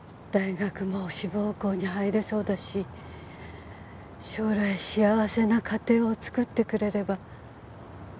大学も志望校に入れそうだし将来幸せな家庭を作ってくれれば。